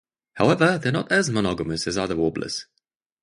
However, they are not as monogamous as other warblers.